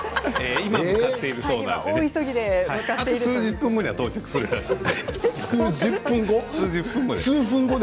今、向かっているそうなのであと数十分後には到着すると思うので。